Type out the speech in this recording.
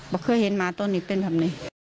บอกเคยเห็นหมาตัวนี้เป็นแบบนี้